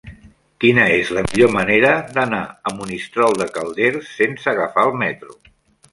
Quina és la millor manera d'anar a Monistrol de Calders sense agafar el metro?